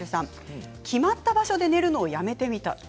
決まった場所で寝るのをやめてみた。